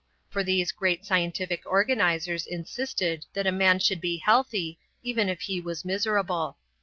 For these great scientific organizers insisted that a man should be healthy even if he was miserable.